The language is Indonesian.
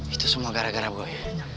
itu semua gara gara gue